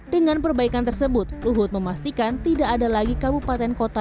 dengan perbaikan tersebut luhut memastikan tidak ada lagi kabupaten kota